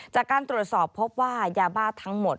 จากการตรวจสอบพบว่ายาบ้าทั้งหมด